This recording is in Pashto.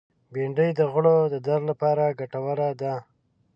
بېنډۍ د غړو د درد لپاره ګټوره ده